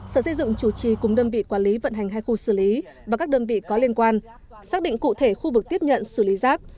sở xây dựng chủ trì cùng đơn vị quản lý vận hành hai khu xử lý và các đơn vị có liên quan xác định cụ thể khu vực tiếp nhận xử lý rác